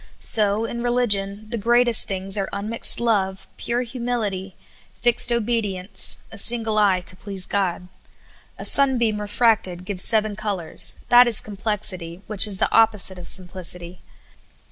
So, in religion, the greatest things are unmixed love, pure humility, fixed obedience, a single eye to please God. A sunbeam refracted gives seven colors; that is complexit}^ which is the opposite of simplicity.